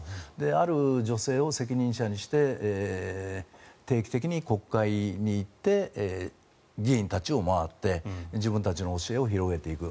ある女性を責任者にして定期的に国会に行って議員たちを回って自分たちの教えを広げていく。